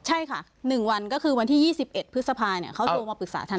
ใช่ค่ะ๑วันก็คือวันที่๒๑พฤษภาเขาโทรมาปรึกษาท่าน